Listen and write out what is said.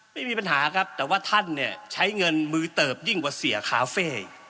ไม่มีปัญหาครับแต่ว่าท่านเนี่ยใช้เงินมือเติบยิ่งกว่าเสียคาเฟ่